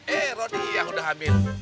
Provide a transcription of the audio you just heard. eh roni yang udah hamil